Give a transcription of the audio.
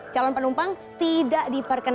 jika suhu tubuh melebihi batas normal